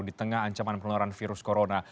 di tengah ancaman penularan virus corona